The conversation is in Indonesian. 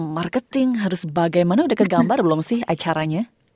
marketing harus bagaimana udah kegambar belum sih acaranya